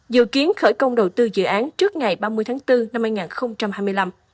dự kiến khởi công đầu tư dự án trước ngày ba mươi tháng bốn năm hai nghìn hai mươi năm